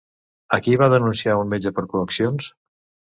A qui va denunciar un metge per coaccions?